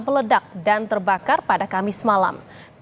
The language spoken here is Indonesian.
meledak dan terbakar pada kamis malam